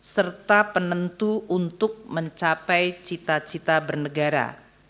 serta penentu untuk mencapai cita cita bernegara